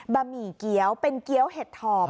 หมี่เกี้ยวเป็นเกี้ยวเห็ดถอบ